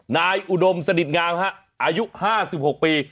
อุดมสนิทงามอายุ๕๖ปี